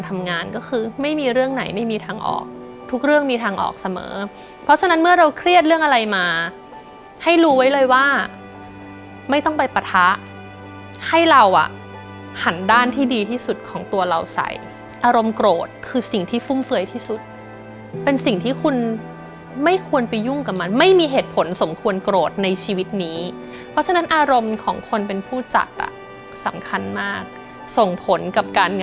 ทำงานก็คือไม่มีเรื่องไหนไม่มีทางออกทุกเรื่องมีทางออกเสมอเพราะฉะนั้นเมื่อเราเครียดเรื่องอะไรมาให้รู้ไว้เลยว่าไม่ต้องไปปะทะให้เราอ่ะหันด้านที่ดีที่สุดของตัวเราใส่อารมณ์โกรธคือสิ่งที่ฟุ่มเฟือยที่สุดเป็นสิ่งที่คุณไม่ควรไปยุ่งกับมันไม่มีเหตุผลสมควรโกรธในชีวิตนี้เพราะฉะนั้นอารมณ์ของคนเป็นผู้จัดอ่ะสำคัญมากส่งผลกับการ